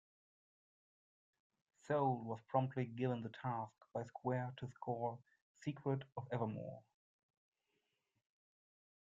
Soule was promptly given the task by Square to score "Secret of Evermore".